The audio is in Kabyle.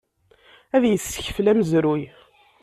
Ad yessekfel amezruy.